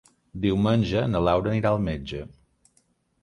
Diumenge na Laura anirà al metge.